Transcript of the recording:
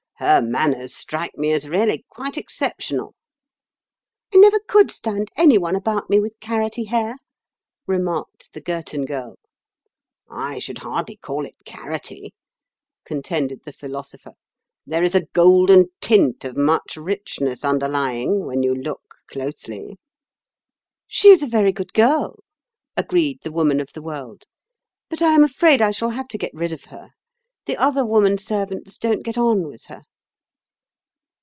"Her manners strike me as really quite exceptional." "I never could stand any one about me with carroty hair," remarked the Girton Girl. "I should hardly call it carroty," contended the Philosopher. "There is a golden tint of much richness underlying, when you look closely." "She is a very good girl," agreed the Woman of the World; "but I am afraid I shall have to get rid of her. The other woman servants don't get on with her."